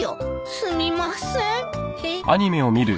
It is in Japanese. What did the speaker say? すみません。